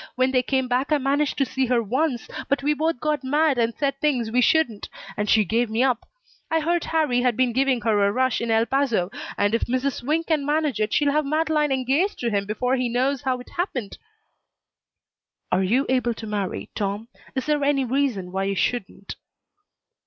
When they came back I managed to see her once, but we both got mad and said things we shouldn't, and she gave me up. I heard Harrie had been giving her a rush in El Paso, and if Mrs. Swink can manage it she'll have Madeleine engaged to him before he knows how it happened." "Are you able to marry, Tom? Is there any reason why you shouldn't?"